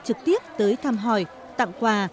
trực tiếp tới thăm hỏi tặng quà